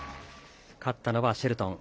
勝ったのはシェルトン。